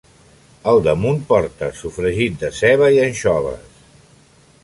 Al damunt, porta sofregit de ceba i anxoves.